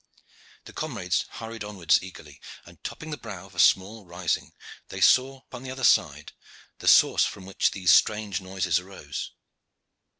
The comrades hurried onwards eagerly, and topping the brow of a small rising they saw upon the other side the source from which these strange noises arose.